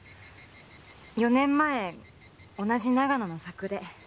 ４年前同じ長野の佐久で。